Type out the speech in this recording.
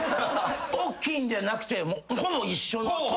おっきいんじゃなくてほぼ一緒の。